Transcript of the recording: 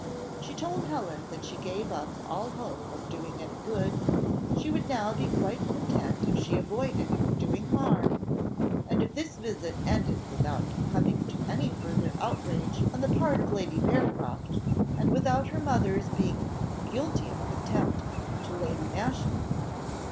She told Helen that she gave up all hope of doing any good, she would now be quite content if she avoided doing harm, and if this visit ended without coming to any further outrage on the part of Lady Bearcroft, and without her mother's being guilty of contempt to Lady Masham.